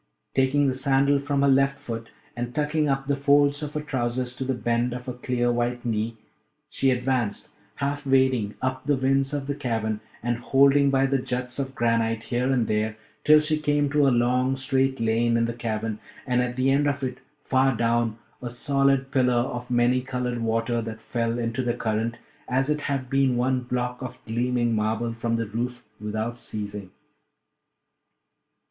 Taking the sandal from her left foot and tucking up the folds of her trousers to the bend of her clear white knee, she advanced, half wading, up the winds of the cavern, and holding by the juts of granite here and there, till she came to a long straight lane in the cavern, and at the end of it, far down, a solid pillar of many coloured water that fell into the current, as it had been one block of gleaming marble from the roof, without ceasing.